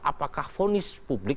apakah vonis publik